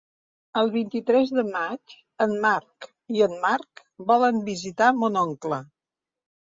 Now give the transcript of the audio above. El vint-i-tres de maig en Marc i en Marc volen anar a visitar mon oncle.